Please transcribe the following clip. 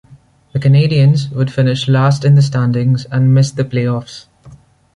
The Canadiens would finish last in the standings and miss the playoffs.